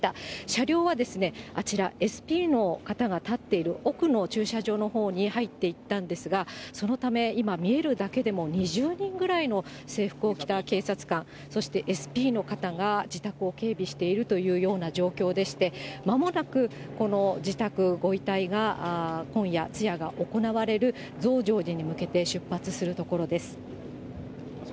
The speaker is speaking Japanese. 車両はあちら、ＳＰの方が立っている奥の駐車場のほうに入っていったんですが、そのため今、見えるだけでも２０人ぐらいの制服を着た警察官、そしてＳＰの方が自宅を警備しているというような状況でして、まもなく、この自宅、ご遺体が今夜、通夜が行われる増上寺に向けて出発するところです。